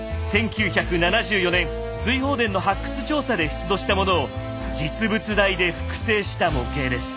１９７４年瑞鳳殿の発掘調査で出土したものを実物大で複製した模型です。